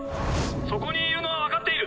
そこにいるのは分かっている。